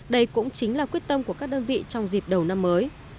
đây cũng chính là quyết tâm của các đơn vị trong dịp đầu năm mới